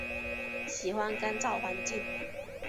喜欢干燥环境。